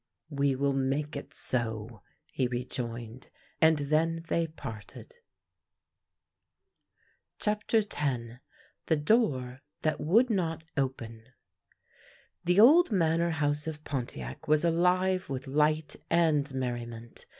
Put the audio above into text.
" We will make it so," he rejoined, and then they parted. CHAPTER X THE DOOR THAT WOULD NOT OPEN THE old Manor House of Pontiac was alive with light and merriment.